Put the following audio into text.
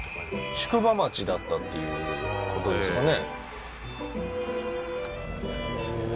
宿場町だったっていうことですかね？